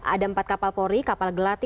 ada empat kapal polri kapal gelati